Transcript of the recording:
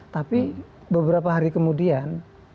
tapi beberapa hari kemudian